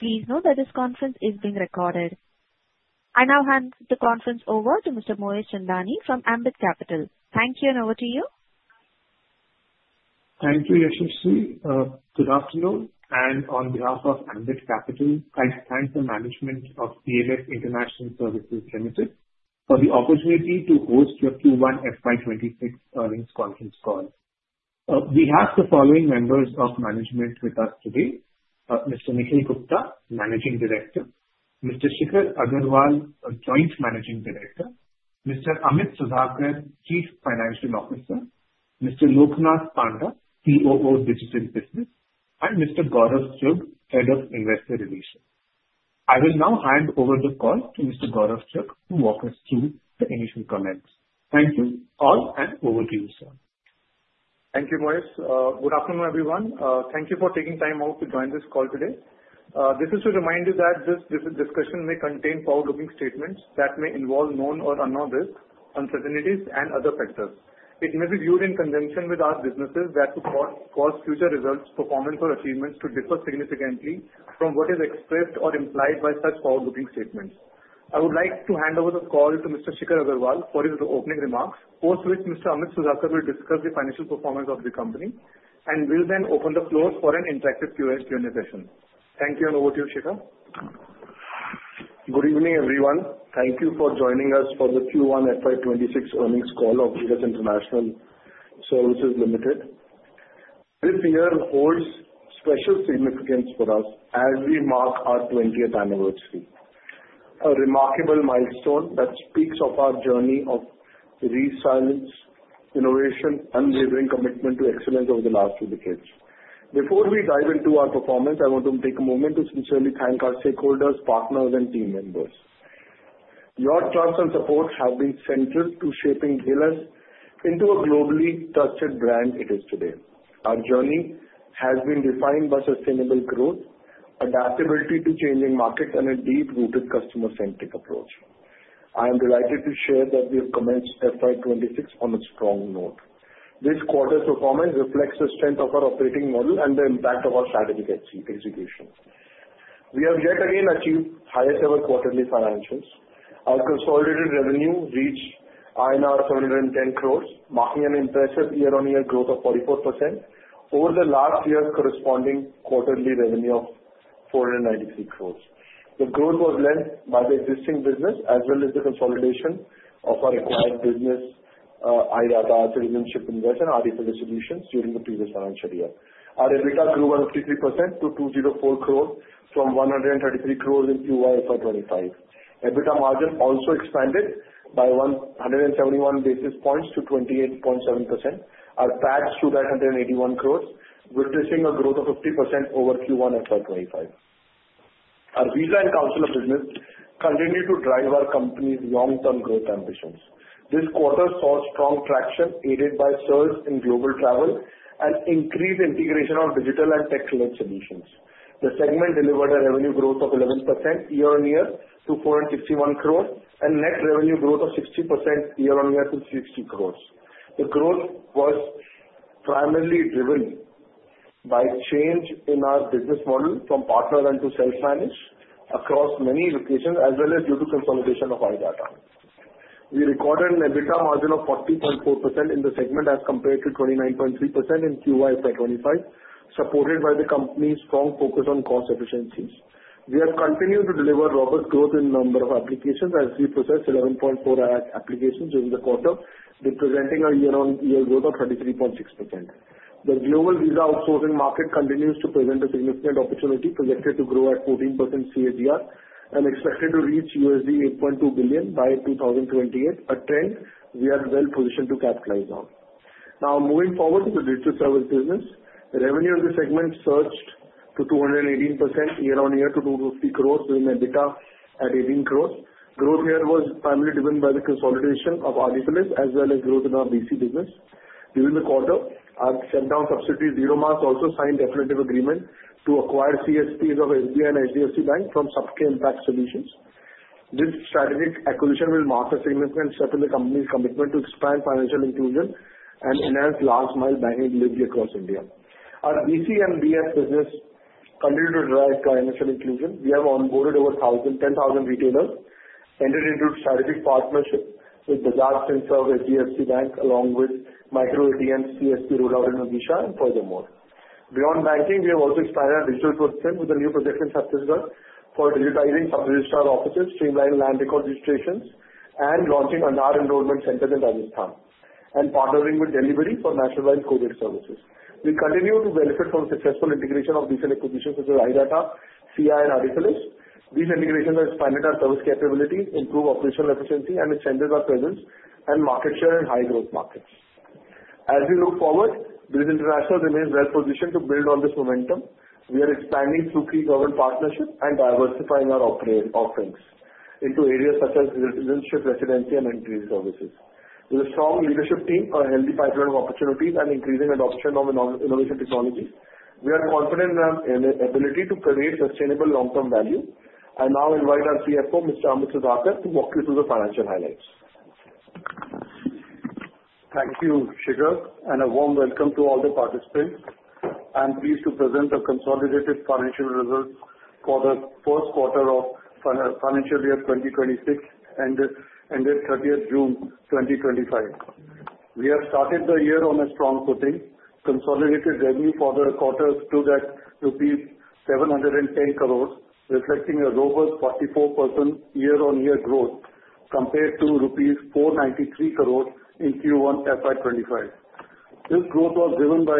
Please note that this conference is being recorded. I now hand the conference over to Mr. Mohit Chandani from Ambit Capital. Thank you, and over to you. Thank you, Yashasri. Good afternoon. On behalf of Ambit Capital, I thank the management of BLS International Services Limited for the opportunity to host your Q1 FY2026 earnings conference call. We have the following members of management with us today: Mr. Nikhil Gupta, Managing Director; Mr. Shikhar Aggarwal, Joint Managing Director; Mr. Amit Sudhakar, Chief Financial Officer; Mr. Lokanath Panda, COO, Digital Business; and Mr. Gaurav Chugh, Head of Investor Relations. I will now hand over the call to Mr. Gaurav Chugh, who will walk us through the initial comments. Thank you all, and over to you, sir. Thank you, Moez. Good afternoon, everyone. Thank you for taking time out to join this call today. This is to remind you that this discussion may contain forward-looking statements that may involve known or unknown risks, uncertainties, and other factors. It may be viewed in conjunction with our businesses that could cause future results, performance, or achievements to differ significantly from what is expressed or implied by such forward-looking statements. I would like to hand over the call to Mr. Shikhar Aggarwal for his opening remarks, post which Mr. Amit Sudhakar will discuss the financial performance of the company and will then open the floors for an interactive Q&A session. Thank you, and over to you, Shikhar. Good evening, everyone. Thank you for joining us for the Q1 FY26 earnings call of BLS International Services Limited. This year holds special significance for us as we mark our 20th anniversary, a remarkable milestone that speaks of our journey of resilience, innovation, and a living commitment to excellence over the last two decades. Before we dive into our performance, I want to take a moment to sincerely thank our stakeholders, partners, and team members. Your trust and support have been central to shaping BLS into the globally trusted brand it is today. Our journey has been defined by sustainable growth, adaptability to changing markets, and a deep-rooted customer-centric approach. I am delighted to share that we have commenced FY26 on a strong note. This quarter's performance reflects the strength of our operating model and the impact of our strategic executions. We have yet again achieved the highest ever quarterly financials. Our consolidated revenue reached INR 410 crores, marking an impressive year-on-year growth of 44% over last year's corresponding quarterly revenue of 493 crores. The growth was led by the existing business, as well as the consolidation of our client business, iDATA, Premium Ship Innovations, and REFEL Solutions during the previous financial year. Our EBITDA grew by 53% to 204 crores, from 133 crores in Q1 FY25. EBITDA margin also expanded by 171 basis points to 28.7%. Our CAC stood at 181 crores, witnessing a growth of 50% over Q1 FY25. Our Visa and Consular Services business continues to drive our company's long-term growth ambitions. This quarter saw strong traction aided by sales in global travel and increased integration of digital and tech-led solutions. The segment delivered a revenue growth of 11% year-on-year to 461 crores, and net revenue growth of 60% year-on-year to 60 crores. The growth was primarily driven by a change in our business model from partner then to self-finance across many locations, as well as due to consolidation of iDATA Services. We recorded an EBITDA margin of 40.4% in the segment as compared to 29.3% in Q1 FY25, supported by the company's strong focus on cost efficiencies. We are continuing to deliver robust growth in a number of applications, as we processed 11.4 million applications during the quarter, representing a year-on-year growth of 33.6%. The global visa outsourcing market continues to present a significant opportunity, projected to grow at 14% CAGR and expected to reach $8.2 billion by 2028, a trend we are well positioned to capitalize on. Now, moving forward to the digital services business, revenue in the segment surged 218% year-on-year to 250 crores, with an EBITDA at 18 crores. Growth here was primarily driven by the consolidation of Aadifidelis, as well as growth in our BC business. During the quarter, our subsidiary also signed a definitive agreement to acquire CSP rollouts of SBI and HDFC Bank from Sub-K IMPACT Solutions. This strategic acquisition will mark a significant step in the company's commitment to expand financial inclusion and enhance last-mile banking delivery across India. Our BC and BF business continue to drive financial inclusion. We have onboarded over 10,000 retailers, entered into a strategic partnership with HDFC Bank, along with CSP rollout in Odisha, and furthermore. Beyond banking, we have also expanded our digital footprint with a new production subsidiary for digitizing some registrar's offices, streamlining land record registrations, launching Aadhaar Enrollment Centers in Rajasthan, and partnering with Delhivery for coded services. We continue to benefit from successful integration of Visa and Consular Services and acquisitions with iDATA, CI, and Aadifidelis. These integrations expanded our service capabilities, improved operational efficiency, and extended our presence and market share in high-growth markets. As we look forward, BLS International Services Limited remains well positioned to build on this momentum. We are expanding through key government partnerships and diversifying our offerings into areas such as citizenship, residency, and entry services. With a strong leadership team, a healthy pipeline of opportunities, and increasing adoption of non-innovation technologies, we are confident in our ability to create sustainable long-term value. I now invite our Chief Financial Officer, Mr. Amit Sudhakar, to walk you through the financial highlights. Thank you, Shikhar, and a warm welcome to all the participants. I'm pleased to present the consolidated financial results for the first quarter of financial year 2026 ended 30th June 2025. We have started the year on a strong footing. Consolidated revenue for the quarter stood at rupees 710 crores, reflecting a robust 44% year-on-year growth compared to rupees 493 crores in Q1 FY25. This growth was driven by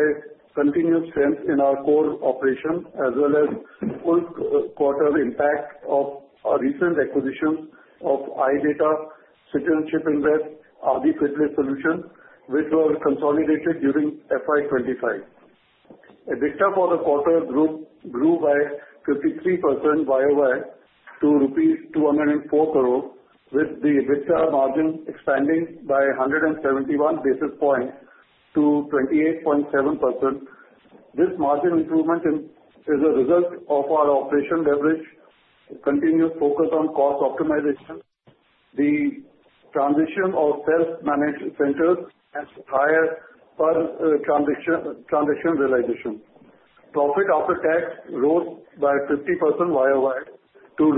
continuous strength in our core operations, as well as the post-quarter impact of our recent acquisitions of iDATA, Citizenship Invest, and Aadifidelis Solutions, which were consolidated during FY25. EBITDA for the quarter grew by 53% YoY to rupees 204 crores, with the EBITDA margin expanding by 171 basis points to 28.7%. This margin improvement is a result of our operating leverage, continuous focus on cost optimization, the transition of self-managed centers, and higher fund transition realization. Profit after tax grew by 50% YoY to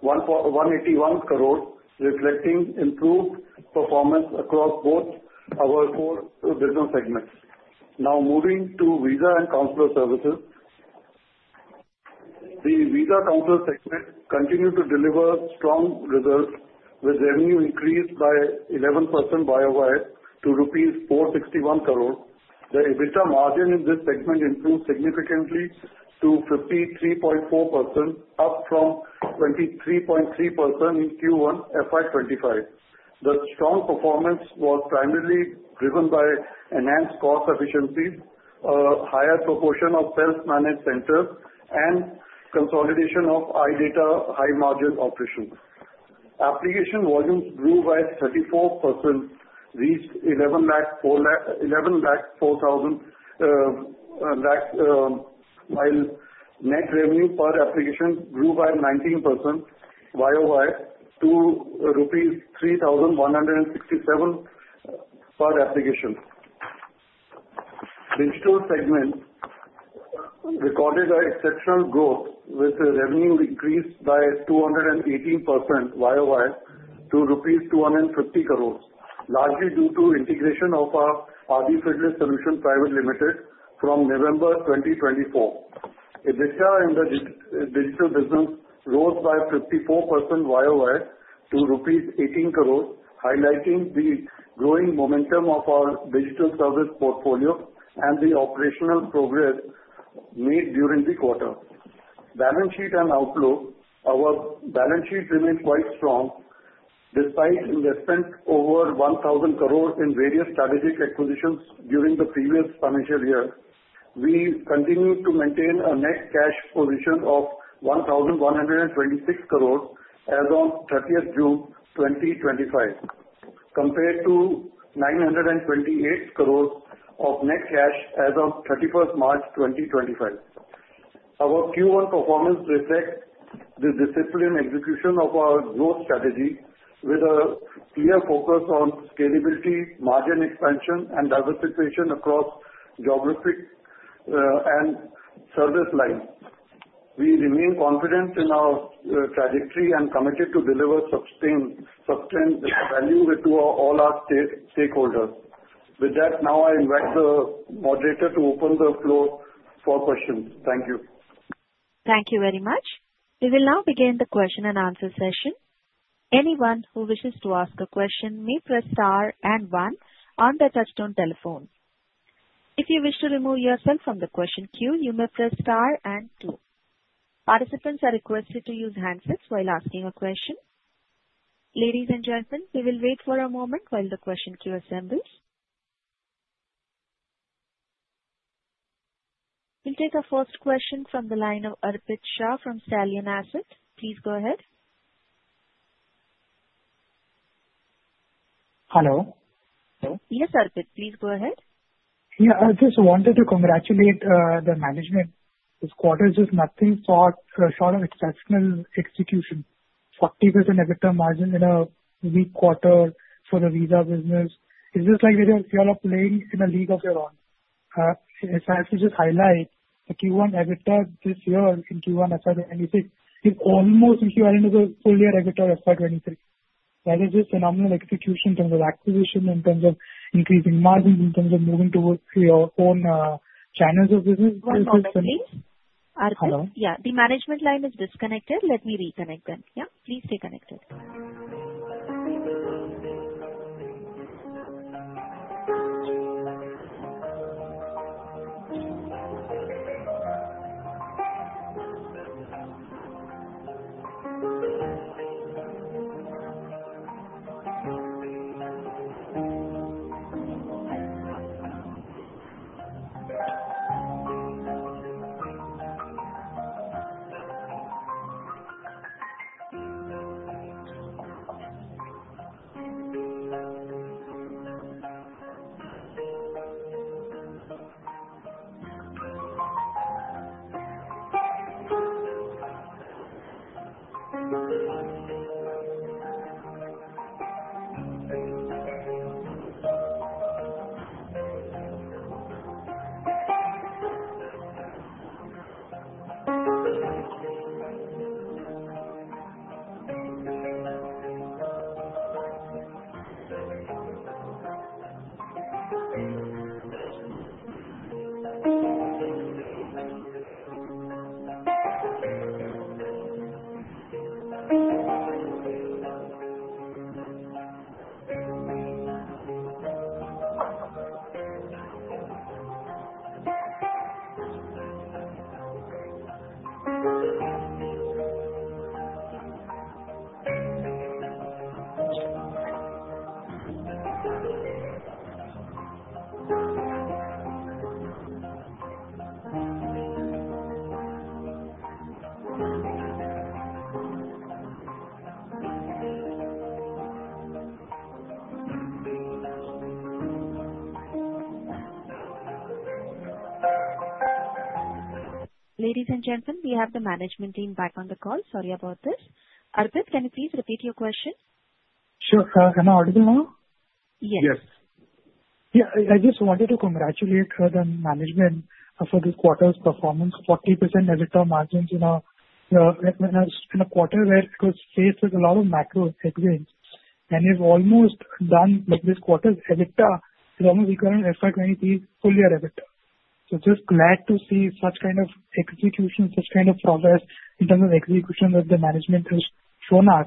181 crores, reflecting improved performance across both our core business segments. Now, moving to Visa and Consular Services, the Visa and Consular segment continues to deliver strong results, with revenue increased by 11% YoY to rupees 461 crores. The EBITDA margin in this segment improved significantly to 53.4%, up from 23.3% in Q1 FY25. The strong performance was primarily driven by enhanced cost efficiencies, a higher proportion of self-managed centers, and consolidation of iDATA high-margin operations. Application volumes grew by 34%, reaching 1,104,000, while net revenue per application grew by 19% YoY to INR 3,167 per application. The Digital segment recorded exceptional growth, with revenue increased by 218% YoY to rupees 250 crores, largely due to integration of our Aadifidelis Solutions Private Limited from November 2024. EBITDA in the digital business rose by 54% YoY to rupees 18 crores, highlighting the growing momentum of our digital service portfolio and the operational progress made during the quarter. Balance sheet and outlook, our balance sheet remains quite strong. Despite investments of over 1,000 crores in various strategic acquisitions during the previous financial year, we continue to maintain a net cash position of 1,126 crores as of 30th June 2025, compared to 928 crores of net cash as of 31st March 2025. Our Q1 performance reflects the disciplined execution of our growth strategy, with a clear focus on scalability, margin expansion, and diversification across geographic and service lines. We remain confident in our trajectory and committed to deliver sustained value to all our stakeholders. With that, now I invite the moderator to open the floor for questions. Thank you. Thank you very much. We will now begin the question and answer session. Anyone who wishes to ask a question may press star and one on the touchtone telephone. If you wish to remove yourself from the question queue, you may press star and two. Participants are requested to use handsets while asking a question. Ladies and gentlemen, we will wait for a moment while the question queue assembles. We'll take our first question from the line of Arpit Shah from Stallion Asset. Please go ahead. Hello. Yes, Arpit, please go ahead. Yeah, I just wanted to congratulate the management. This quarter is just nothing short of exceptional execution. 40% EBITDA margin in a weak quarter for the Visa business. It's just like we're in a field of playing in a league of your own. As I just highlighted, if you want EBITDA this year in Q1 FY2025, you almost, if you are in a full-year EBITDA FY2025, that is just phenomenal execution in terms of acquisition, in terms of increasing margins, in terms of moving towards your own channels of business. Arpit, the management line is disconnected. Let me reconnect them. Please stay connected. Ladies and gentlemen, we have the management team back on the call. Sorry about this. Arpit, can you please repeat your question? Sure, can I add it now? Yes. Yes. Yeah, I just wanted to congratulate the management for this quarter's performance. 40% EBITDA margins in a quarter where it could face a lot of macro executions. We've almost done this quarter's EBITDA. We've almost done FY2023's full-year EBITDA. Just glad to see such kind of execution, such kind of progress in terms of execution that the management has shown us.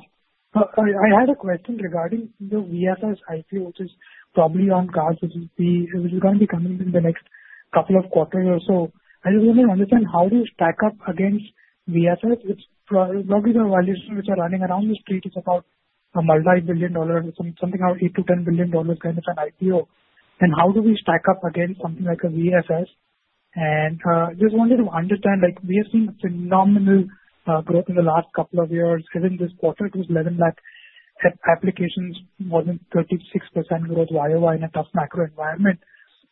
Sorry, I had a question regarding the VFS IPO, which is probably on guard, which is going to be coming in the next couple of quarters or so. I just want to understand how do you stack up against VFS? It's probably the values which are running around these states. It's about a multi-billion dollar, something about $8 billion to $10 billion kind of an IPO. How do we stack up against like a VFS? I just wanted to understand, like we have seen phenomenal growth in the last couple of years. Even this quarter, it was 11 lakh applications, more than 36%, whereas YOY in a post-macro environment.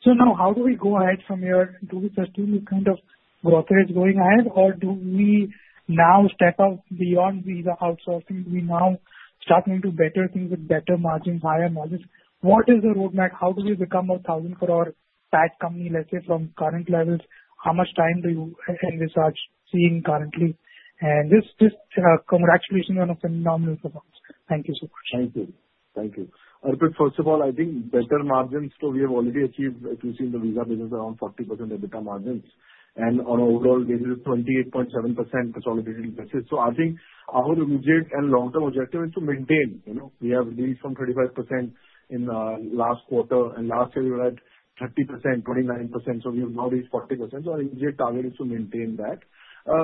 Now, how do we go ahead from here? Do we continue this kind of growth that is going ahead, or do we now step up beyond visa outsourcing? Do we now start into better things with better margins, higher margins? What is the roadmap? How do we become a 1,000 crore tax company, let's say, from current levels? How much time do you think we start seeing currently? Just congratulations on a phenomenal performance. Thank you so much. Thank you. Thank you. Arpit, first of all, I think better margins, so we have already achieved, at least in the Visa business, around 40% EBITDA margins. On an overall gain, we're 28.7% consolidated in the business. I think our immediate and long-term objective is to maintain. We have reached from 35% in the last quarter, and last year we were at 30%, 29%. We have now reached 40%. Our immediate target is to maintain that.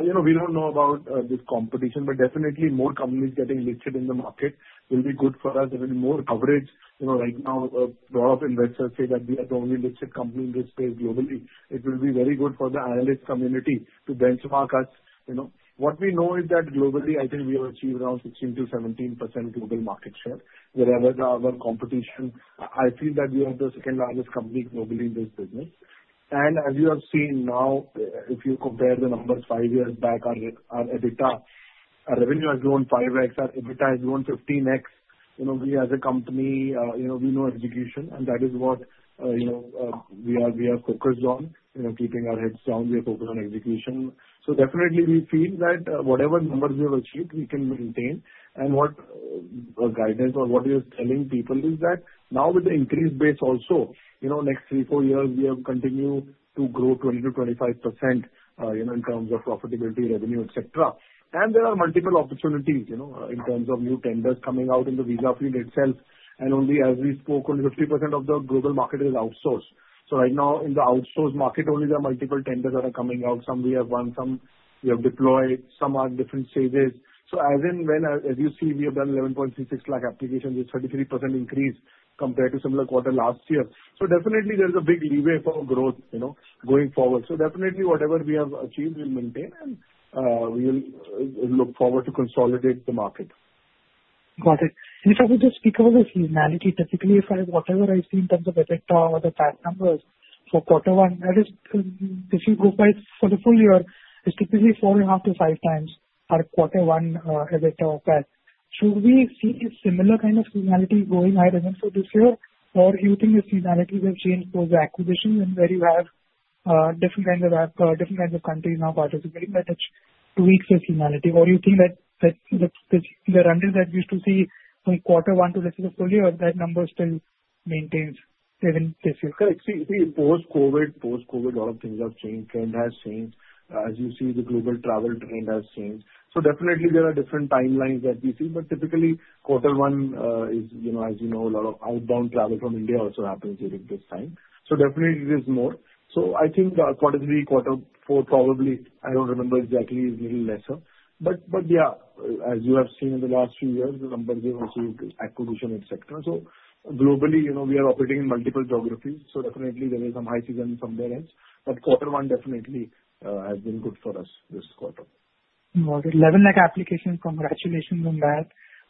We don't know about this competition, but definitely more companies getting listed in the market will be good for us. There will be more coverage. Right now, a lot of investors say that we are the only listed company in this space globally. It will be very good for the analyst community to benchmark us. What we know is that globally, I think we have achieved around 16 to 17% global market share. Wherever our competition, I feel that we are the second largest company globally in this business. As you have seen now, if you compare the numbers five years back, our EBITDA revenue has grown 5X. Our EBITDA has grown 15X. We as a company, we know execution, and that is what we are focused on, keeping our heads down. We are focused on execution. We feel that whatever numbers we have achieved, we can maintain. What our guidance or what we are telling people is that now with the increased base also, next three, four years, we have continued to grow 20% to 25%, in terms of profitability, revenue, etc. There are multiple opportunities, in terms of new tenders coming out in the Visa field itself. Only as we spoke, only 50% of the global market is outsourced. Right now, in the outsourced market, only there are multiple tenders that are coming out. Some we have won, some we have deployed, some are in different stages. As in when, as you see, we have done 11.36 lakh applications, which is a 33% increase compared to a similar quarter last year. There is a big leeway for growth, going forward. Whatever we have achieved, we'll maintain, and we'll look forward to consolidating the market. Got it. If I could just speak about the seasonality, typically, if I look at whatever I see in terms of EBITDA or the CAC numbers for quarter one, that is because we grow by, for the full year, it's typically 4.5 to 5 times on a quarter one EBITDA of that. Should we see a similar kind of seasonality going ahead even for this year, or do you think the seasonality will change because of the acquisition and where you have different kinds of apps, different kinds of countries now participating in that two-week seasonality? Do you think that the range that we used to see from quarter one to the rest of the full year, that number still maintains even this year? It's the post-COVID, post-COVID, a lot of things have changed. Trend has changed. As you see, the global travel trend has changed. There are different timelines that we see. Typically, quarter one is, you know, as you know, a lot of outbound travel from India also happens during this time. There's more. I think quarter three, quarter four, probably, I don't remember exactly, it's a little lesser. As you have seen in the last few years, the numbers we have received, acquisition, etc. Globally, you know, we are operating in multiple geographies. There is some high season from their end. Quarter one definitely has been good for us this quarter. Got it. 11 lakh applications. Congratulations on that.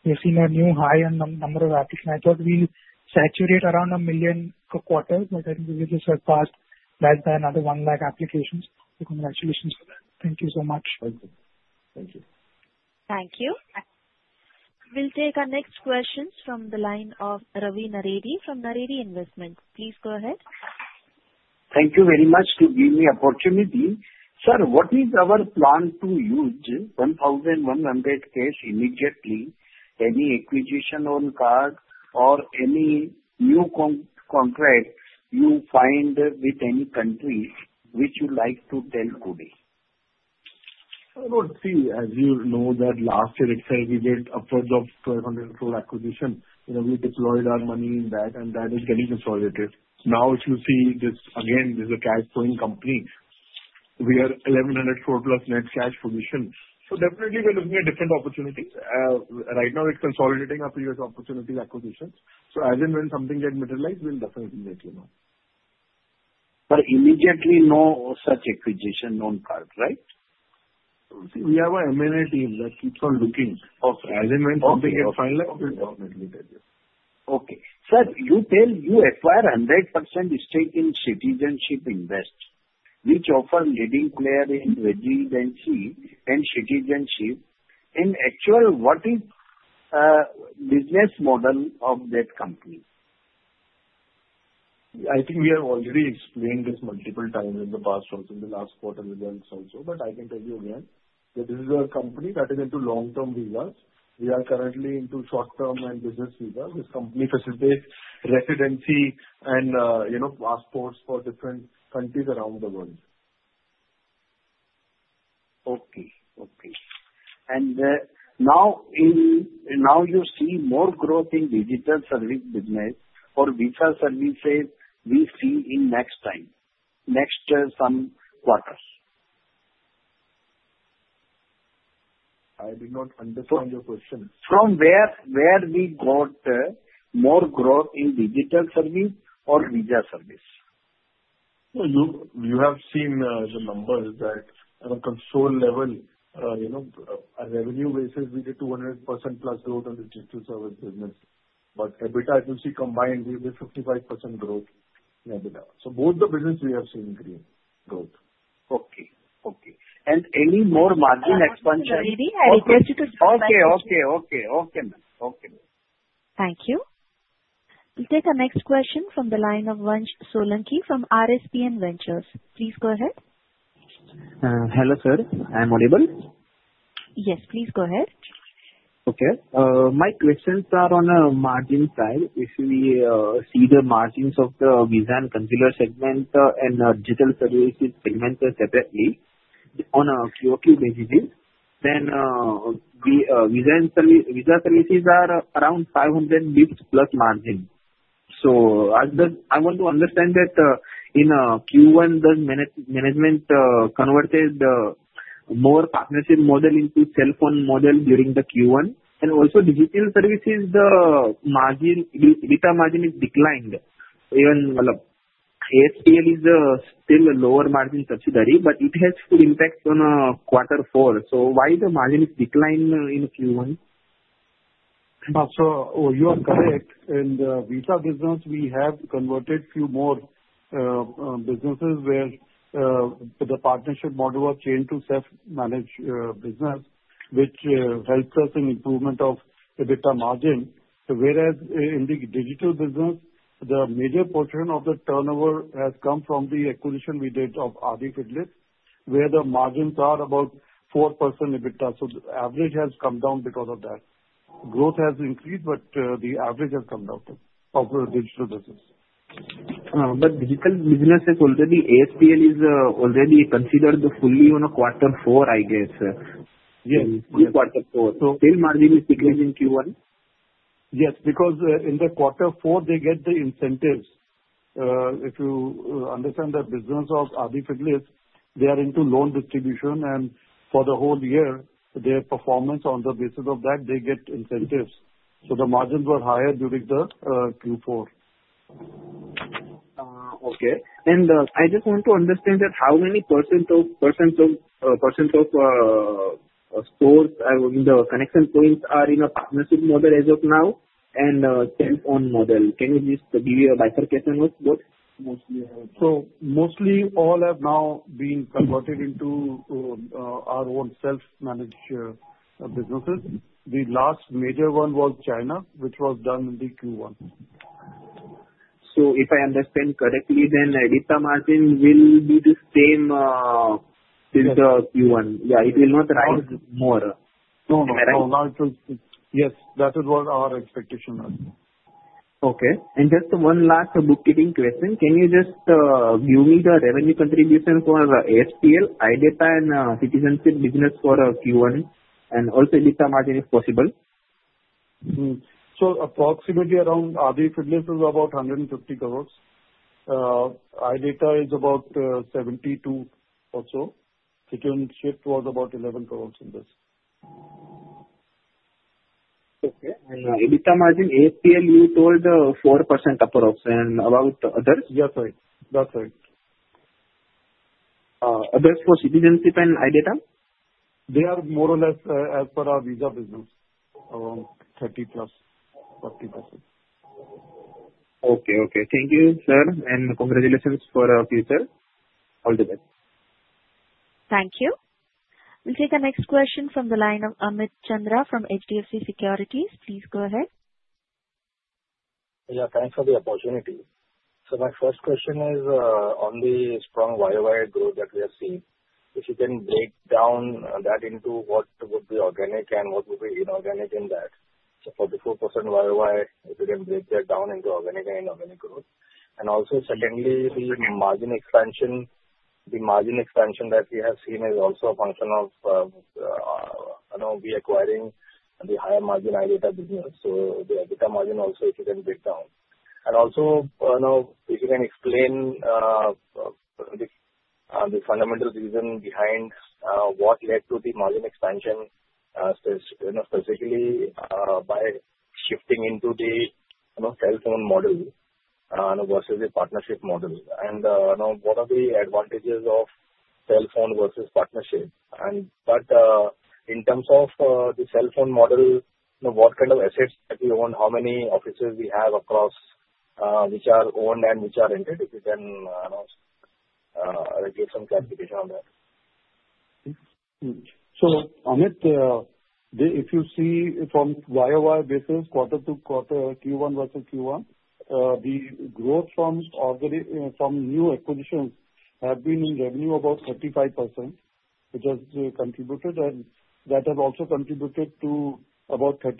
We've seen a new high on the number of applications. I thought we'll saturate around 1 million per quarter, but I think we just surpassed that by another 100,000 applications. Congratulations. Thank you so much. Thank you. Thank you. Thank you. We'll take our next questions from the line of Ravi Naredi from Naredi Investment. Please go ahead. Thank you very much for giving me the opportunity. Sir, what is our plan to use 1,100 crore immediately, any acquisition on card, or any new contract you find with any country which you'd like to tell currently? I don't see, as you know, that last year, let's say, we did upwards of 500 crore acquisitions. We deployed our money in that, and that is getting consolidated. Now, if you see this again, this is a CAGR growing company. We are 1,100 crore plus net CAGR acquisitions. Definitely, we're looking at different opportunities. Right now, it's consolidating our previous opportunity acquisitions. As and when something gets materialized, we'll definitely let you know. Immediately, no such acquisition on CAC, right? We have an M&A team that keeps on looking. As and when something gets finalized, we'll definitely tell you. Okay. Sir, you tell you acquire 100% stake in Citizenship Invest, which offer leading players in Residency and Citizenship, and actually, what is the business model of that company? I think we have already explained this multiple times in the past, in the last quarter's events also. I can tell you again that this is a company that is into long-term visas. We are currently into short-term and business visas. This company facilitates residency and, you know, passports for different countries around the world. Okay. Okay. Do you see more growth in Digital Services business or Visa and Consular Services we see in next time, next some quarters? I did not understand your question. From where we got more growth in Digital Services or Visa and Consular Services? At a console level, you know, a revenue basis, we did 200% plus growth on the Digital Services business. EBITDA I can see combined, we did 55% growth. Both the business we have seen increase growth. Okay. Okay. Any more margin expansion? Maybe I request you to. Okay. Okay. Okay. Okay. Thank you. We'll take our next question from the line of Vansh Solanki from RSPN Ventures. Please go ahead. Hello, sir. Am I available? Yes, please go ahead. Okay. My questions are on a margin side. If we see the margins of the Visa and Consular Services segment and the Digital Services segment separately on a Q2 basis, then Visa services are around 500 million plus margin. I want to understand that in Q1, the management converted the more partnership model into self-owned model during Q1. Also, Digital Services, the EBITDA margin is declined. Even ASPL is still a lower margin subsidiary, but it has full impact on quarter four. Why is the margin declined in Q1? You are correct. In the Visa business, we have converted a few more businesses where the partnership model was changed to self-managed business, which helps us in the improvement of EBITDA margin. Whereas in the digital business, the major portion of the turnover has come from the acquisition we did of Aadifidelis, where the margins are about 4% EBITDA. The average has come down because of that. Growth has increased, but the average has come down of the digital business. Digital business is already, ASPL is already considered fully on quarter four, I guess. Yes, yes, quarter four. Margin is decreased in Q1? Yes, because in the quarter four, they get the incentives. If you understand the business of Aadifidelis, they are into loan distribution. For the whole year, their performance on the basis of that, they get incentives. The margins were higher during Q4. Okay. I just want to understand how many % of stores in the connection points are in a partnership model as of now and a self-owned model. Can you just give a bifurcation of both? Mostly all have now been converted into our own self-managed businesses. The last major one was China, which was done in Q1. If I understand correctly, then EBITDA margin will be the same till Q1. Yeah, it will not rise more. Yes, that is what our expectation was. Okay. Just the one last bookkeeping question. Can you just give me the revenue contribution for the ASPL, iDATA, and Citizenship business for Q1 and also EBITDA margin if possible? Approximately, Aadifidelis is about 150 crore, iDATA is about 72 crore or so, and Citizenship was about 11 crore in this. Okay. EBITDA margin ASPL, you told the 4% upwards, and about others? Yes, that's right. That's right. Others for Citizenship and iDATA? They are more or less as per our Visa business, around 30%, 40%. Okay. Okay. Thank you, sir, and congratulations for the future. All the best. Thank you. We'll take the next question from the line of Amit Chandra from HDFC Securities. Please go ahead. Yeah, thanks for the opportunity. My first question is on the strong YOY growth that we have seen. If you can break down that into what would be organic and what would be inorganic in that. For the 4% YOY, if you can break that down into organic and inorganic growth. Also, if we see margin expansion, the margin expansion that we have seen is also a function of, now we are acquiring the higher margin iDATA business. The EBITDA margin also, if you can break down. Also, if you can explain the fundamental reason behind what led to the margin expansion, specifically by shifting into the, you know, self-owned model versus the partnership model. What are the advantages of self-owned versus partnership? In terms of the self-owned model, what kind of assets that we own, how many offices we have across, which are owned and which are interested, if you can give some clarification on that. Amit, if you see from YOY business quarter to quarter, Q1 versus Q1, the growth already from new acquisitions has been in revenue about 35%, which has contributed, and that has also contributed to about 30%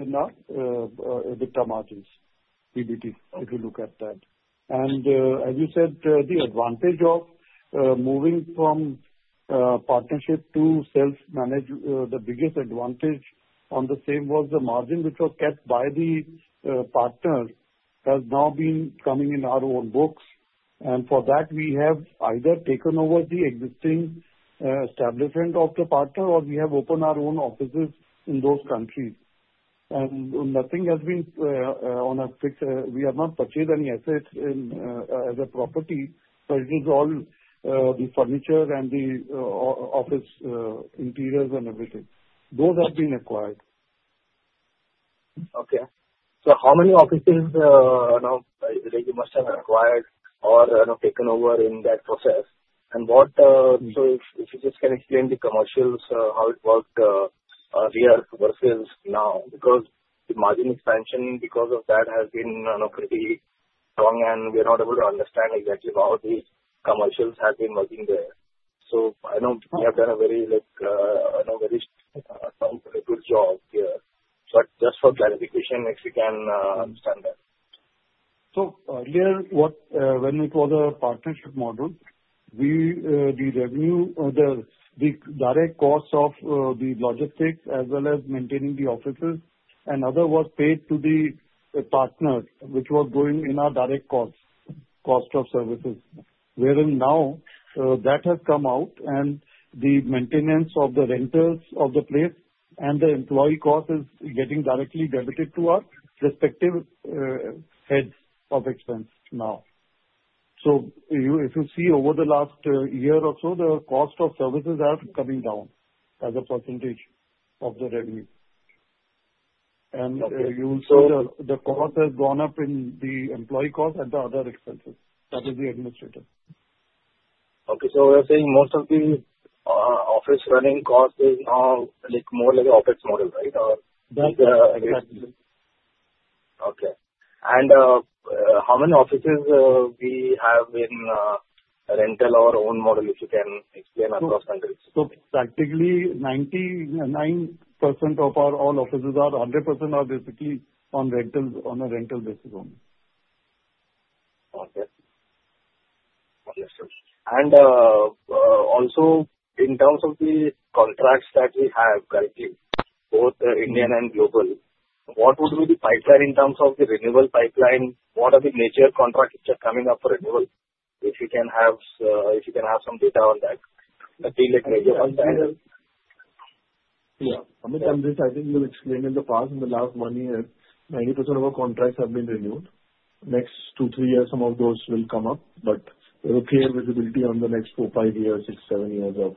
in the EBITDA margins, PBT, if you look at that. As you said, the advantage of moving from partnership to self-managed, the biggest advantage on the same was the margin which was kept by the partners has now been coming in our own books. For that, we have either taken over the existing establishment of the partner, or we have opened our own offices in those countries. Nothing has been on a fixed. We have not purchased any assets as a property. Purchased all the furniture and the office interiors and everything. Those have been acquired. Okay. How many offices now, either you must have acquired or taken over in that process? If you can just explain the commercials, how it worked earlier versus now, because the margin expansion because of that has been pretty strong and we are not able to understand exactly how the commercials have been working there. There are very complicated jobs here. Just for clarification, if you can, understand that. Earlier, when we saw the partnership model, the revenue or the direct cost of the logistics as well as maintaining the offices and other was paid to the partner, which was going in our direct cost, cost of services. Whereas now, that has come out and the maintenance of the rentals of the place and the employee cost is getting directly debiting to our respective heads of expense now. If you see over the last year or so, the cost of services are coming down as a % of the revenue. You saw the cost has gone up in the employee cost and the other expenses. That is the administrative. Okay, we're saying most of the office running cost is now more like an office model, right? Yes, exactly. Okay, how many offices do we have in rental or own model, if you can explain on those countries? Practically 99% of all our offices are basically on rentals on a rental basis only. Okay. Also, in terms of the contracts that we have, both the Indian and global, what would be the pipeline in terms of the renewal pipeline? What are the major contracts which are coming up for renewal? If you can have some data on that, like major ones. Yeah. Amit, I think you explained in the past in the last one year, 90% of our contracts have been renewed. Next two, three years, some of those will come up, but we'll have clear visibility on the next four, five years, six, seven years of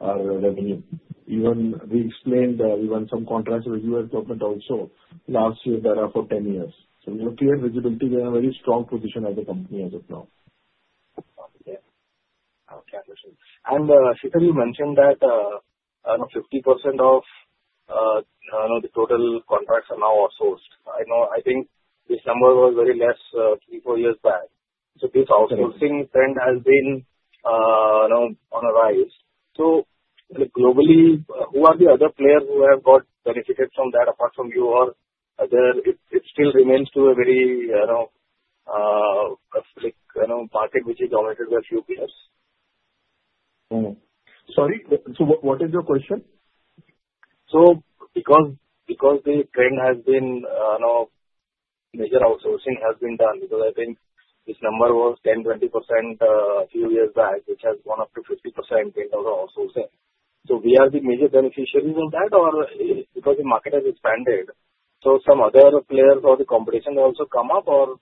our revenue. Even we explained we won some contracts with U.S. government also last year that are for 10 years. We have clear visibility and a very strong position as a company as of now. Okay. Sir, you mentioned that 50% of the total contracts are now outsourced. I think this number was very less three or four years back. This outsourcing trend has been on the rise. Globally, who are the other players who have got benefited from that apart from you? Or does it still remain a market which is dominated by a few players? What is your question? The trend has been, you know, major outsourcing has been done, because I think this number was 10%, 20% a few years back, which has gone up to 50% in terms of outsourcing. We are the major beneficiaries in that, or because the market has expanded. Some other players or the competition has also come up, or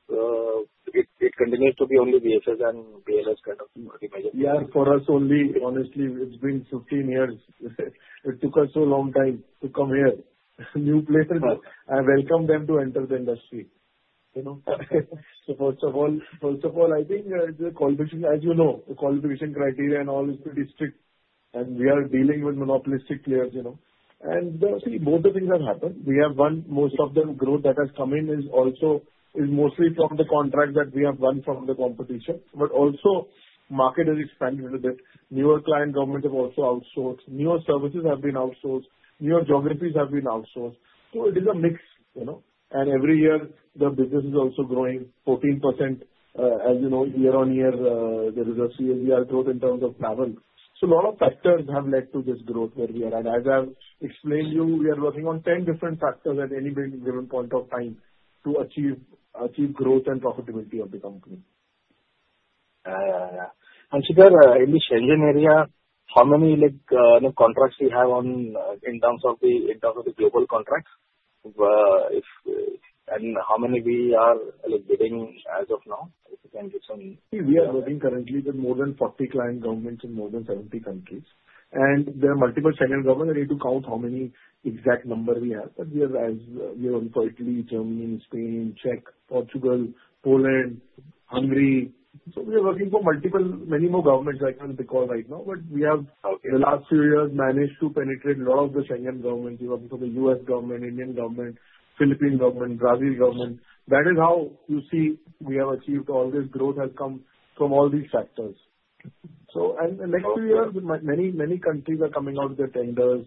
it continues to be only BLS and VFS as kind of the. Yeah, for us only, honestly, it's been 15 years. It took us a long time to come here. New places, I welcome them to enter the industry. First of all, I think it's the qualification, as you know, the qualification criteria and all is pretty strict. We are dealing with monopolistic players, you know. Both the things have happened. We have won, most of the growth that has come in is also mostly from the contracts that we have won from the competition. Also, market has expanded. The newer client governments have also outsourced. Newer services have been outsourced. Newer geographies have been outsourced. It is a mix, you know. Every year, the business is also growing 14%. As you know, year on year, there is a CAGR growth in terms of travel. A lot of factors have led to this growth where we are. As I've explained to you, we are working on 10 different factors at any given point of time to achieve growth and profitability of the company. In the Schengen Area, how many contracts do we have in terms of the global contracts, and how many are we getting as of now? If you can give some. We are working currently with more than 40 client governments in more than 70 countries. There are multiple Schengen governments. I need to count how many exact number we have. We are working for Italy, Germany, Spain, Czech, Portugal, Poland, and Hungary. We are working for multiple, many more governments I can't pick out right now. We have, in the last few years, managed to penetrate a lot of the Schengen governments. You're talking to the U.S. government, Indian government, Philippine government, Brazil government. That is how you see we have achieved all this growth has come from all these factors. In the next few years, many, many countries are coming out with their tenders.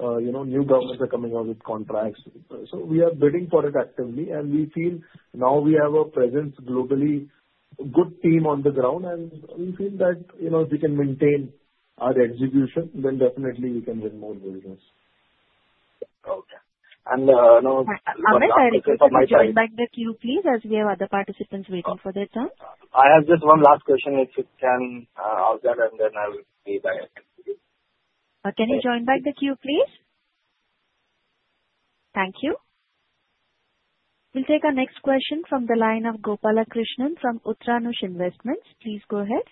New governments are coming out with contracts. We are bidding for it actively. We feel now we have a presence globally, a good team on the ground. We feel that, you know, if we can maintain our execution, then definitely we can win more business. Okay. Now. Amit, I request you to join back the queue, please, as we have other participants waiting for their turn. I have just one last question, if you can answer, and then I will be back. Can you join back the queue, please? Thank you. We'll take our next question from the line of Gopalaa Krishnan from Uttamush Investments. Please go ahead.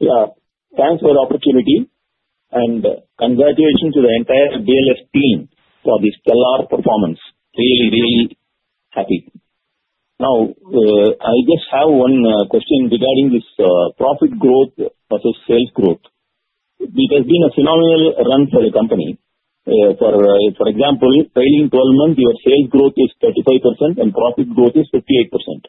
Thanks for the opportunity. Congratulations to the entire BLS team for this stellar performance. Really, really happy. I just have one question regarding this profit growth versus sales growth. It has been a phenomenal run for your company. For example, trailing 12 months, your sales growth is 35% and profit growth is 58%.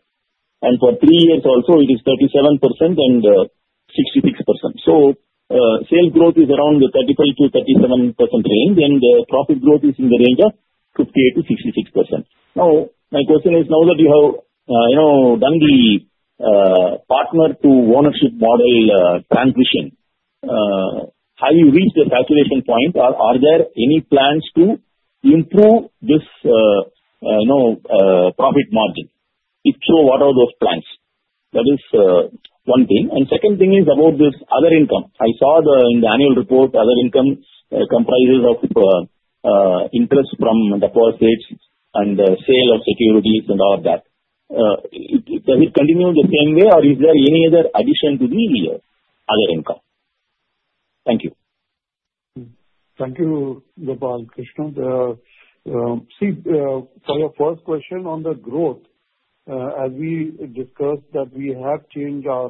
For three years also, it is 37% and 66%. Sales growth is around the 35 to 37% range, and the profit growth is in the range of 58 to 66%. My question is, now that you have done the partner to ownership model transitioning, have you reached the calculated points? Are there any plans to improve this profit margin? If so, what are those plans? That is one thing. The second thing is about this other income. I saw in the annual report, other income comprises interest from deposits and sale of securities and all of that. Does it continue the same way, or is there any other addition to the other income? Thank you. Thank you, Gopala Krishnan. For your first question on the growth, as we discussed, we have changed our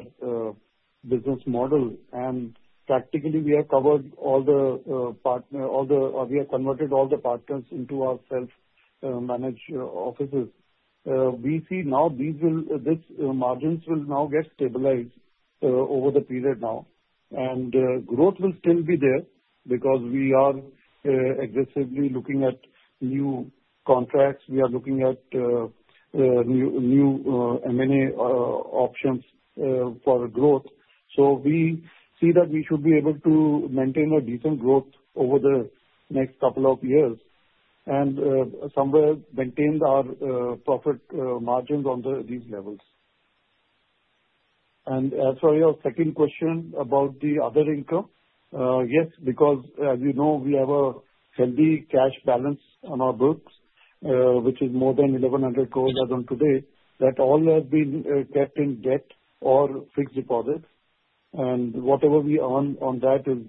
business model, and practically, we have covered all the partners, or we have converted all the partners into our self-managed offices. We see now these margins will now get stabilized over the period. Growth will still be there because we are excessively looking at new contracts. We are looking at new M&A options for growth. We see that we should be able to maintain a decent growth over the next couple of years and somewhere maintain our profit margins on these levels. As for your second question about the other income, yes, because as you know, we have a heavy cash balance on our books, which is more than 1,100 crore as of today. That all has been kept in debt or fixed deposits, and whatever we earn on that is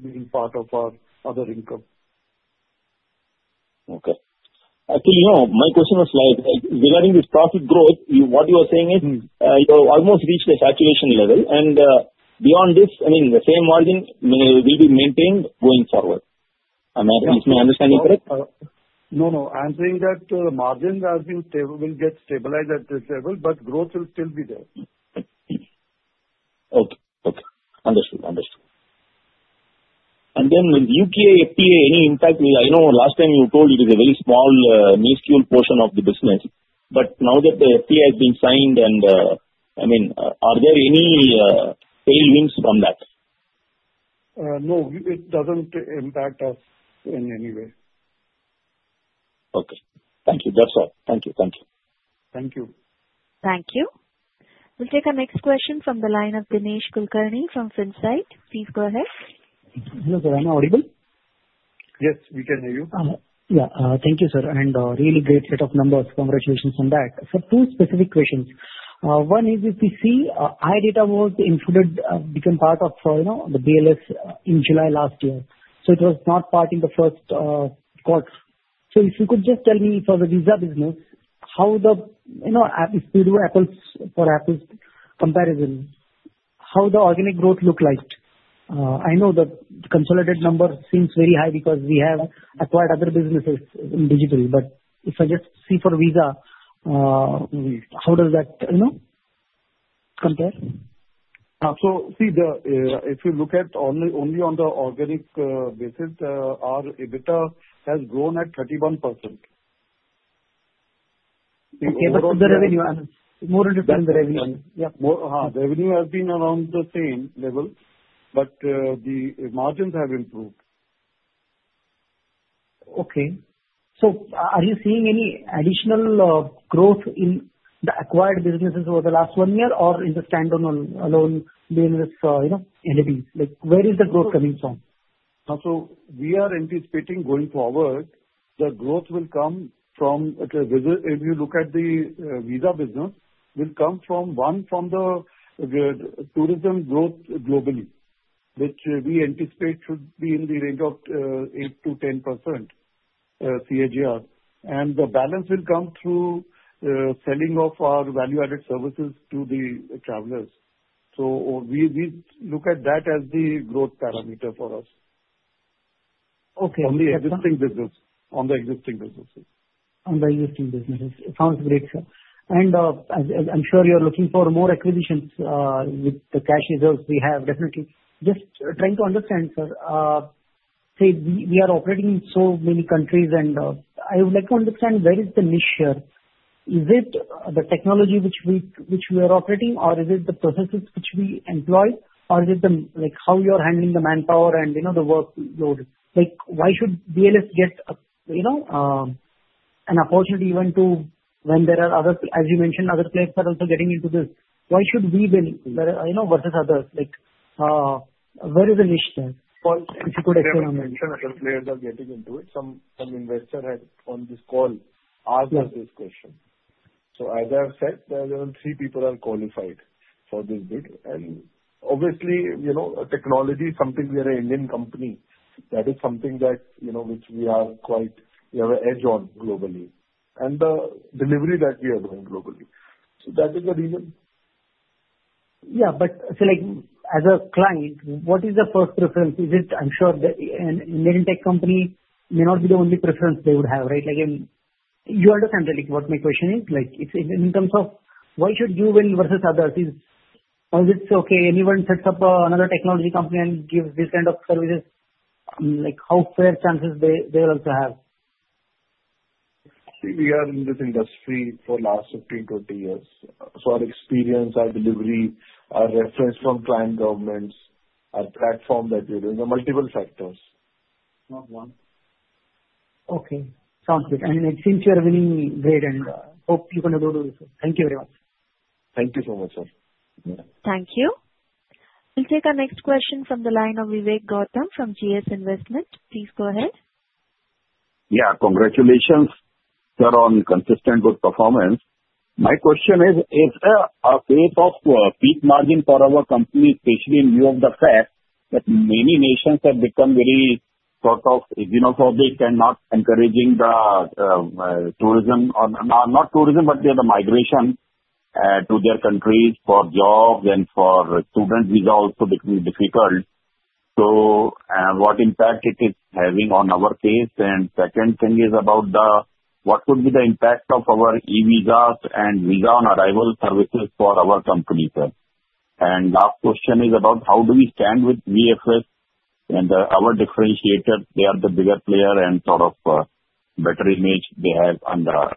being part of our other income. Okay. I can add my question was regarding this profit growth. What you are saying is, you know, almost reached a saturation level. Beyond this, I mean, the same margins will be maintained going forward. Is my understanding correct? I'm saying that the margins will get stabilized at this level, but growth will still be there. Okay. Okay. Understood. Understood. When the UK FTA, any impact? I know last time you told it is a very small, minuscule portion of the business. Now that the FTA has been signed, I mean, are there any savings from that? No, it doesn't impact us in any way. Okay. Thank you. That's all. Thank you. Thank you. Thank you. Thank you. We'll take our next question from the line of Dinesh Kulkarni from FinSight. Please go ahead. Hello, sir. Am I audible? Yes, we can hear you. Thank you, sir. A really great set of numbers. Congratulations on that. Sir, two specific questions. One is if we see iDATA included become part of the BLS International in July last year. It was not part in the first quarter. If you could just tell me for the Visa business, if you do apples for apples comparison, how the organic growth looks like. I know that the consolidated number seems very high because we have acquired other businesses in Digital Services. If I just see for Visa, how does that compare? If you look at only on the organic basis, our EBITDA has grown at 31%. Okay, for all the revenue and more than the revenue. Yeah, the revenue has been around the same level, but the margins have improved. Are you seeing any additional growth in the acquired businesses over the last one year, or is it standalone business, you know, LEP? Where is the growth coming from? We are anticipating going forward, the growth will come from, if you look at the Visa business, will come from one, from the tourism growth globally, which we anticipate should be in the range of 8% to 10% CAGR. The balance will come through the selling of our value-added services to the travelers. We look at that as the growth parameter for us. Okay. On the existing business. On the existing business, it sounds great, sir. As I'm sure you're looking for more acquisitions with the cash reserves we have, definitely. Just trying to understand, sir, we are operating in so many countries, and I would like to understand where is the niche here. Is it the technology which we are operating, or is it the processes which we employ, or is it how you are handling the manpower and the workload? Why should BLS International Services Limited get an opportunity even when, as you mentioned, other players are also getting into this? Why should we win versus others? Where is the niche there, if you could explain that. Different players are getting into it. Some investor had on this call asked us this question. As I have said, there are only three people who are qualified for this bid. Obviously, you know, technology is something we are an Indian company. That is something that, you know, we are quite, we have an edge on globally, and the delivery that we are going globally. That is the reason. Yeah, as a client, what is the first preference? Is it, I'm sure, an Indian tech company may not be the only preference they would have, right? You understand what my question is. It's in terms of why should you win versus others. Is it okay if anyone sets up another technology company and gives this kind of services? How fair chances will they also have? We are in this industry for the last 15 to 20 years. Our experience, our delivery, our reference from client governments, our platform that we're doing, there are multiple factors, not one. Okay. Sounds good. It seems you are really great, and I hope you can grow with us. Thank you very much. Thank you so much, sir. Thank you. We'll take our next question from the line of Vivek Gautam from GS Investments. Please go ahead. Yeah, congratulations. You're on consistent good performance. My question is, is there a case of peak margin for our company, especially in view of the fact that many nations have become very sort of xenophobic and not encouraging the tourism, or not tourism, but the migration, to their countries for jobs and for student visas to become difficult? What impact is it having on our case? The second thing is about what would be the impact of our e-visas and visa on arrival services for our company, sir? The last question is about how do we stand with VFS and our differentiator? They are the bigger player and sort of a better image they have on the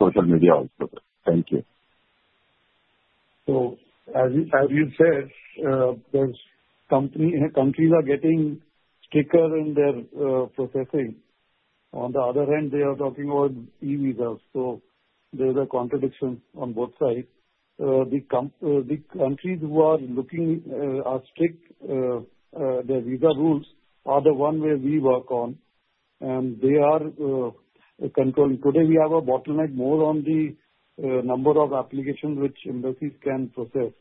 social media also. Thank you. As you said, companies are getting stricter in their processing. On the other hand, they are talking about e-visas. There's a contradiction on both sides. The countries who are looking at strict visa rules are the ones where we work, and they are controlling. Today, we have a bottleneck more on the number of applications which embassies can process.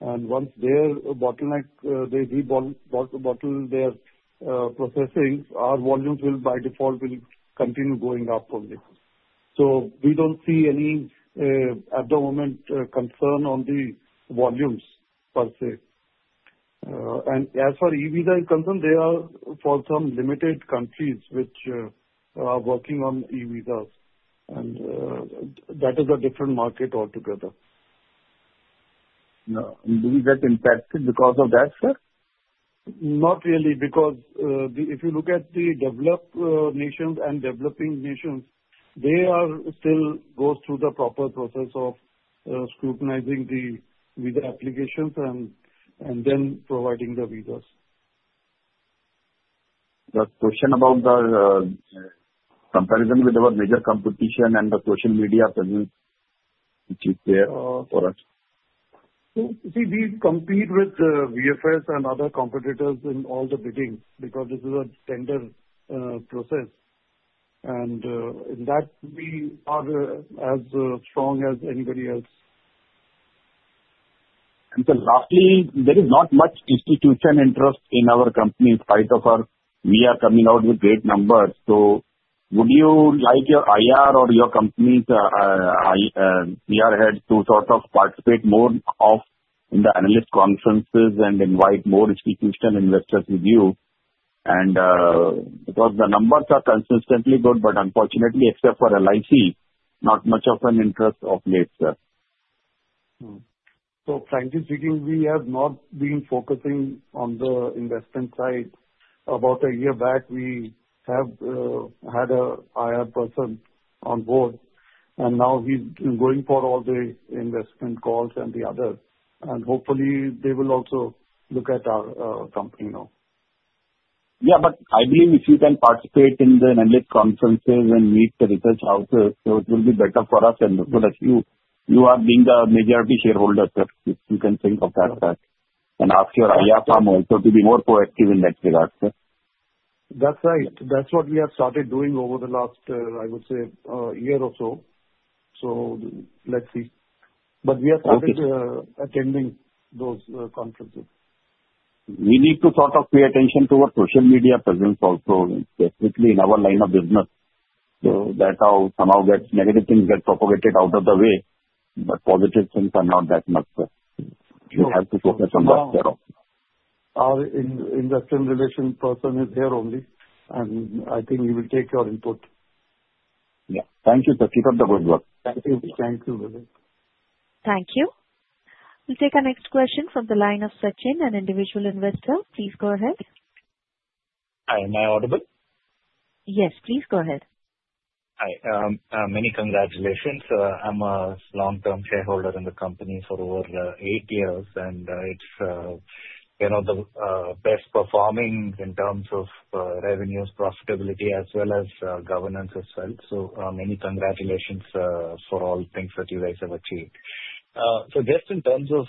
Once they're bottlenecked, they de-bottle their processing, our volumes will, by default, continue going up from there. We don't see any, at the moment, concern on the volumes per se. As far as e-visa is concerned, there are some limited countries which are working on e-visas, and that is a different market altogether. Yeah, do you believe that impacted because of that, sir? Not really, because if you look at the developed nations and developing nations, they are still going through the proper process of scrutinizing the visa applications and then providing the visas. The question about the comparison with our major competition and the social media presence, which is there, correct? We compete with VFS and other competitors in all the bidding because this is a tender process, and in that, we are as strong as anybody else. Lastly, there is not much institutional interest in our company in spite of our we are coming out with great numbers. Would you like your IR or your company's IR heads to sort of participate more in the analyst conferences and invite more institutional investors with you? The numbers are consistently good, but unfortunately, except for LIC, not much of an interest of late, sir. Frankly speaking, we have not been focusing on the investment side. About a year back, we had an IR person on board, and now he's going for all the investment calls and the others. Hopefully, they will also look at our company now. I believe if you can participate in the analyst conferences and meet the research houses, it will be better for us. Because you are being a majority shareholder, you can think of that and ask your IR partner to be more proactive in that regard. That's right. That's what we have started doing over the last, I would say, a year or so. Let's see. We are starting to attend those conferences. We need to sort of pay attention to our social media presence also, and definitely in our line of business. That's how somehow negative things get propagated out of the way, but positive things are not that much. You have to focus on that. Our Investor Relations person is there only, and I think he will take your input. Yeah, thank you, Prashit, and good luck. Thank you. Thank you, Vivek. Thank you. We'll take our next question from the line of Sachin, an individual investor. Please go ahead. Hi. Am I audible? Yes, please go ahead. Hi. Many congratulations. I'm a long-term shareholder in the company for over eight years, and it's the best performing in terms of revenues, profitability, as well as governance as well. Many congratulations for all the things that you guys have achieved. Just in terms of,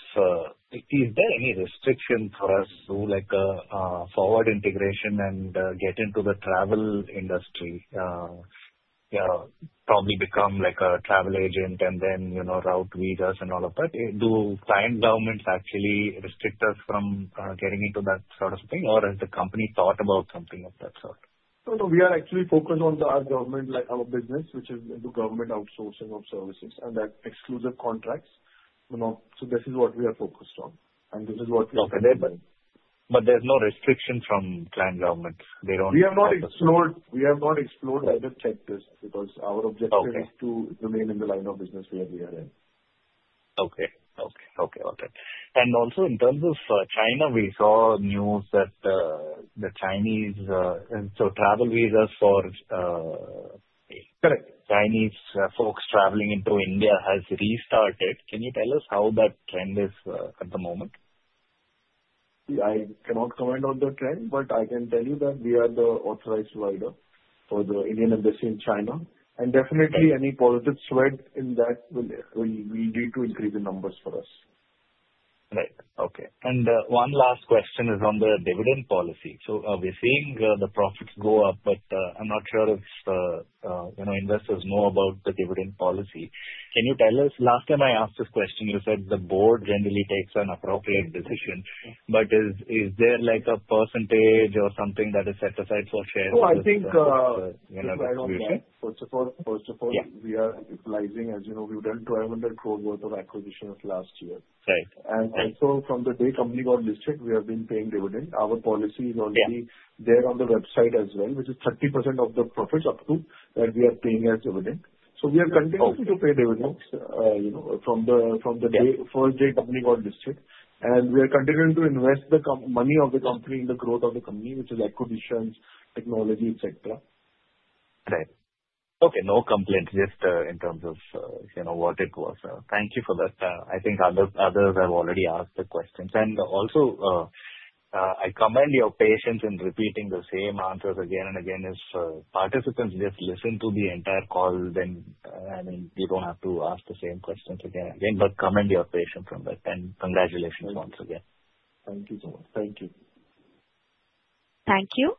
is there any restriction for us to forward integration and get into the travel industry? Yeah, probably become like a travel agent and then route visas and all of that. Do client governments actually restrict us from getting into that sort of thing, or has the company thought about something of that sort? No, no. We are actually focused on the government, like our business, which is into government outsourcing of services and exclusive contracts. This is what we are focused on, and this is what we are delivering. There is no restriction from client governments. They don't. We have not explored either sectors because our objective is to remain in the line of business where we are in. Okay. Okay. Okay. In terms of China, we saw news that the Chinese, and so travel visas for Chinese folks traveling into India has restarted. Can you tell us how that trend is at the moment? I cannot comment on the trend, but I can tell you that we are the authorized provider for the Indian industry in China. Definitely, any politics went in that will lead to increase in numbers for us. Right. Okay. One last question is on the dividend policy. We're seeing the profits go up, but I'm not sure if investors know about the dividend policy. Can you tell us? Last time I asked this question, you said the board generally takes an appropriate decision. Is there like a percentage or something that is set aside for shares? I think, first of all, we are equalizing. As you know, we've done 500 crore worth of acquisitions last year. Right. Also, from the day the company got listed, we have been paying dividends. Our policy is on the website as well, which is 30% of the profits up to that we are paying as dividends. We are continuing to pay dividends from the first day the company got listed. We are continuing to invest the money of the company in the growth of the company, which is acquisitions, technology, etc. Right. Okay. No complaints just in terms of, you know, what it was. Thank you for that. I think others have already asked the questions. I commend your patience in repeating the same answers again and again. If participants just listen to the entire call, you don't have to ask the same questions again and again. I commend your patience on that. Congratulations once again. Thank you so much. Thank you. Thank you.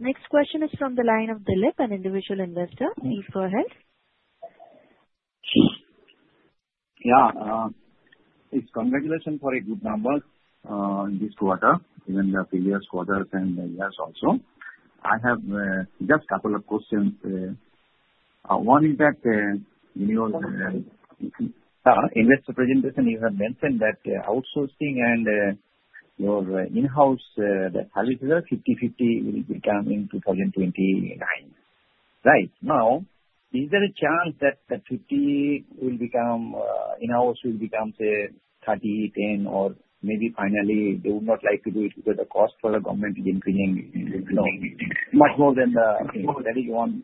Next question is from the line of Dilip, an individual investor. Please go ahead. Yeah. Congratulations for a good number in this quarter, even the previous quarters and years also. I have just a couple of questions. One impact, you know, in the investor presentation, you have mentioned that outsourcing and your in-house, that half is 50-50, will become in 2029. Right. Now, is there a chance that the 50 will become in-house, will become, say, 30, 10, or maybe finally, they would not like to do it because the cost for the government is increasing a little more, much more than the. That is one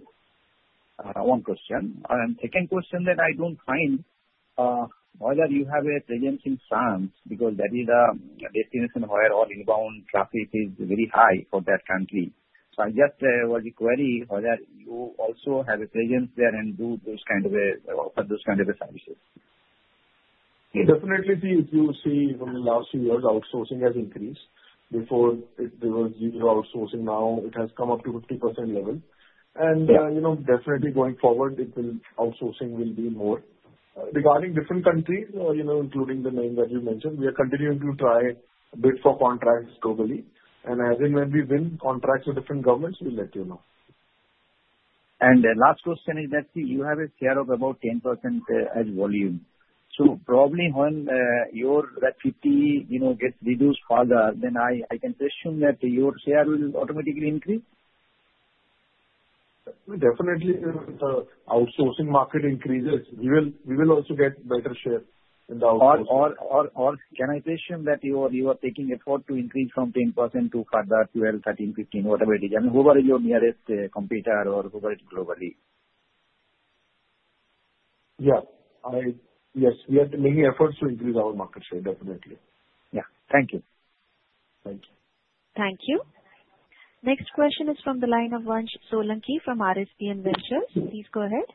question. The second question, I don't find whether you have a presence in France because that is the destination where all inbound traffic is very high for that country. I just want to query whether you also have a presence there and do those kinds of services. Yeah, definitely. If you see from the last few years, outsourcing has increased. Before, it was usually outsourcing. Now, it has come up to a 50% level. You know, definitely going forward, outsourcing will be more. Regarding different countries, including the name that you mentioned, we are continuing to try to bid for contracts globally. As and when we win contracts with different governments, we'll let you know. You have a share of about 10% as volume. Probably when your 50 gets reduced further, I can presume that your share will automatically increase? Definitely, if the outsourcing market increases, we will also get better share in the outsourcing. Can I presume that you are taking effort to increase from 10% to further 12%, 13%, 15%, whatever it is? I mean, whoever is your nearest competitor or whoever is globally? Yes, we are making efforts to increase our market share, definitely. Thank you. Thank you. Thank you. Next question is from the line of Vansh Solanki from RSPN Ventures. Please go ahead.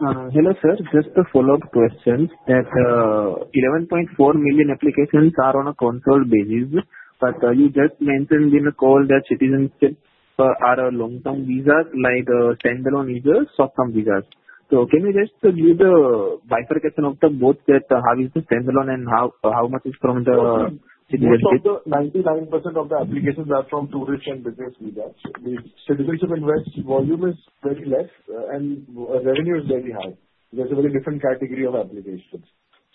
Hello, sir. Just a follow-up question. That 11.4 million applications are on a consolidated basis, but you just mentioned in the call that Citizenship are a long-term visa, like standalone visas, short-term visas. Can you just give the bifurcation of both, that how is the standalone and how much is from the Citizenship? 99% of the applications are from tourist and business visas. The segregation of invest volume is very less, and revenue is very high. There's a very different category of applications.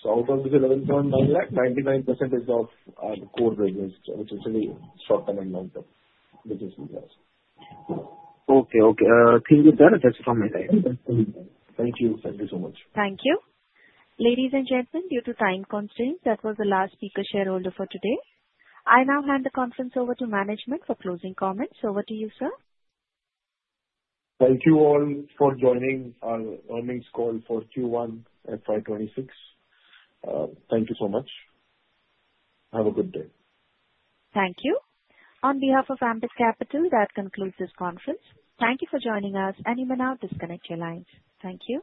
Out of the 11,000, 99% is of our core business, which is really short-term and long-term business. Okay. Thank you. That's from my side. Thank you. Thank you so much. Thank you. Ladies and gentlemen, due to time constraints, that was the last speaker shareholder for today. I now hand the conference over to management for closing comments. Over to you, sir. Thank you all for joining our earnings call for Q1 at BLS International Services Limited. Thank you so much. Have a good day. Thank you. On behalf of Ambit Capital, that concludes this conference. Thank you for joining us, and you may now disconnect your lines. Thank you.